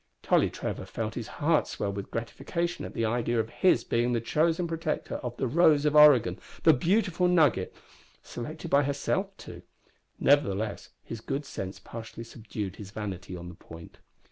Tolly Trevor felt his heart swell with gratification at the idea of his being the chosen protector of the Rose of Oregon the Beautiful Nugget; selected by herself, too. Nevertheless his good sense partially subdued his vanity on the point.